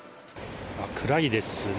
暗いですね。